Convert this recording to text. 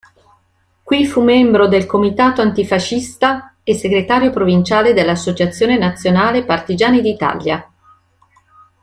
Qui fu membro del Comitato Antifascista e Segretario provinciale dell'Associazione Nazionale Partigiani d'Italia.